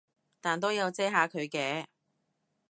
但都有遮下佢嘅